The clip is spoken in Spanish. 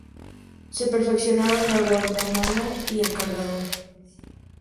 Se perfeccionaron el guardamano y el cargador.